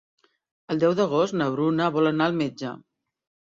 El deu d'agost na Bruna vol anar al metge.